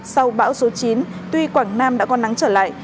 sau bão số chín tuy quảng nam đã có nắng trở lại